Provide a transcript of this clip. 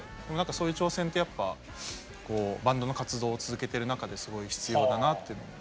そういう挑戦ってやっぱバンドの活動を続けてる中ですごい必要だなっていうのも。